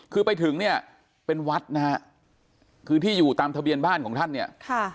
คือไปถึงเนี่ยเป็นวัดนะฮะคือที่อยู่ตามทะเบียนบ้านของท่านเนี่ยค่ะ